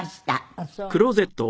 あっそう。